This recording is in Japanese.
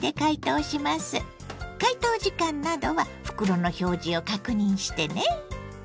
解凍時間などは袋の表示を確認してね。